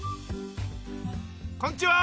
こんにちは！